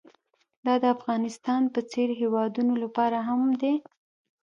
دا د افغانستان په څېر هېوادونو لپاره هم دی.